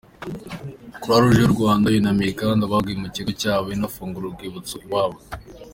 Croix Rouge y’u Rwanda yunamiye kandi abaguye mu kigo cyayo inafungura urwibutso rwabo.